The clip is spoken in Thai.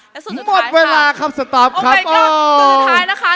และสุดสุดท้ายค่ะหมดเวลาครับสต๊อบครับโอ้โหสุดสุดท้ายนะคะ